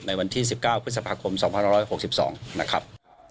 ในวันที่๑๙พฤษภาคม๒๑๖๒นะครับ